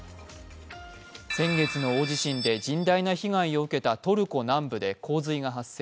先月の大地震で甚大な被害を受けたトルコ南部で洪水が発生。